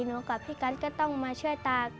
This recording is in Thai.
กับพี่กัสก็ต้องมาช่วยตา